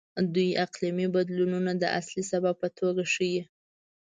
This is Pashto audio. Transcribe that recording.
دوی اقلیمي بدلونونه د اصلي سبب په توګه ښيي.